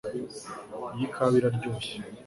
Iyi kawa iraryoshye